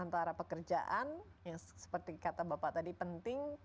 antara pekerjaan yang seperti kata bapak tadi penting